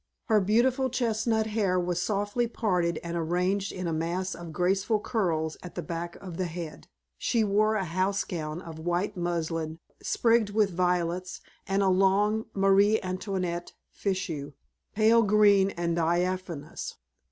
Her beautiful chestnut hair was softly parted and arranged in a mass of graceful curls at the back of the head. She wore a house gown of white muslin sprigged with violets, and a long Marie Antoinette fichu, pale green and diaphanous.